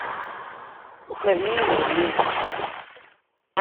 Ukren-iyi idrimen-inu.